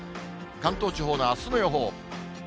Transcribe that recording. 関東地方のあすの予報。